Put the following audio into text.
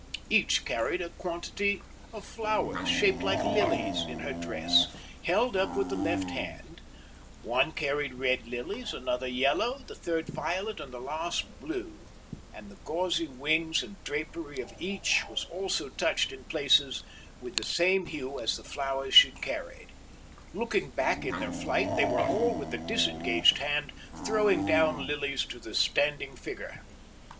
Each carried a quantity of flowers, shaped like lilies, in her dress, held up with the left hand; one carried red lilies, another yellow, the third violet, and the last blue; and the gauzy wings and drapery of each was also touched in places with the same hue as the flowers she carried. Looking back in their flight they were all with the disengaged hand throwing down lilies to the standing figure.